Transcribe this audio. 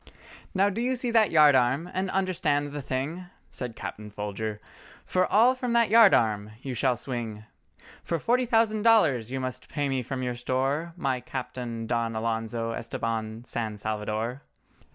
"Now do you see that yard arm—and understand the thing?" Said Captain Folger, "For all from that yard arm you shall swing, Or forty thousand dollars you must pay me from your store, My Captain Don Alonzo Estabán San Salvador."